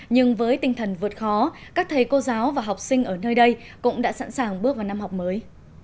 nhưng với tinh thần vượt khó các thầy cô giáo và học sinh ở nơi đây cũng đã sẵn sàng bước vào năm học mới